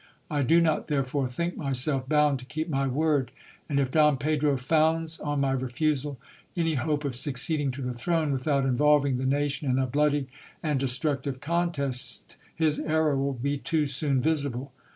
I do not therefore think myself bound to keep my word ; and if Don Pedro founds on my refusal any hope of succeeding to the throne without involving the nation in a bloody and destructive contest, his error will be too soon visible.